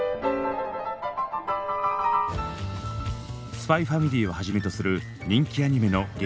「ＳＰＹ×ＦＡＭＩＬＹ」をはじめとする人気アニメの劇